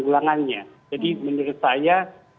gelangannya jadi menurut saya